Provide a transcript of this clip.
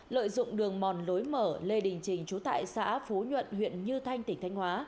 lợi dụng đường mòn lối mở lê đình trình chú tại xã phú nhuận huyện như thanh tỉnh thanh hóa